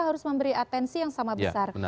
harus memberi atensi yang sama besar